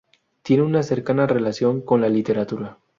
Tiene una cercana relación con la literatura.